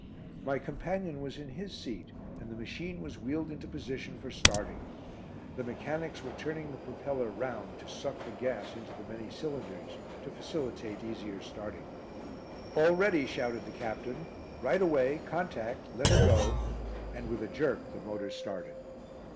My companion was in his seat, and the machine was wheeled into position for starting. The mechanics were turning the propeller round to suck the gas into the many cylinders, to facilitate easier starting. "All ready," shouted the Captain. "Right away, contact, let her go." And with a jerk the motor started.